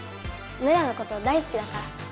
メラのこと大すきだから。